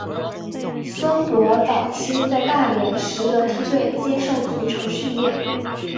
孙铂早期在大连实德梯队接受足球训练。